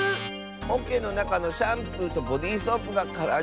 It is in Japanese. おけのなかのシャンプーとボディーソープがからになってる？